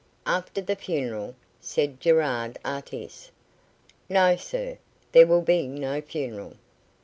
"After the funeral?" said Gerard Artis. "No, sir; there will be no funeral."